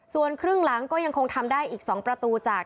ส่วนครึ่งหลังก็ยังคงทำได้อีก๒ประตูจาก